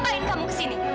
ngapain kamu kesini